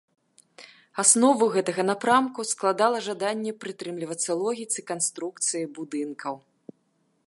Аснову гэтага напрамку складала жаданне прытрымлівацца логіцы канструкцыі будынкаў.